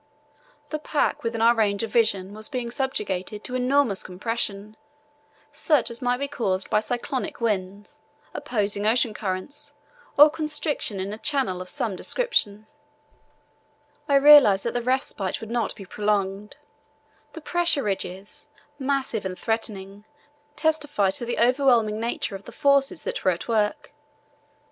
The pack within our range of vision was being subjected to enormous compression, such as might be caused by cyclonic winds, opposing ocean currents, or constriction in a channel of some description. The pressure ridges, massive and threatening, testified to the overwhelming nature of the forces that were at work.